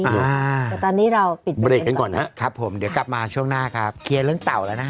แต่ตอนนี้เราปิดเบรกกันก่อนนะครับครับผมเดี๋ยวกลับมาช่วงหน้าครับเคลียร์เรื่องเต่าแล้วนะฮะ